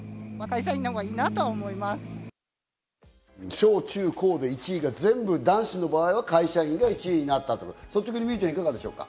小・中・高で１位が全部男子の場合は、会社員が１位になったと、率直に望結ちゃん、いかがですか？